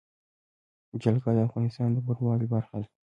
جلګه د افغانستان د بڼوالۍ برخه ده.